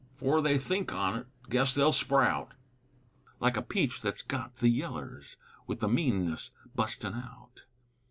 'Fore they think on 't guess they'll sprout (Like a peach thet's got the yellers), With the meanness bustin' out.